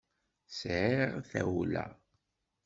Sɛiɣ tawla.